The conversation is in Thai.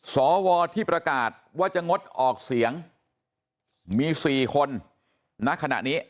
สวที่ประกาศว่าจะงดออกเสียงมี๔คนณขณะนี้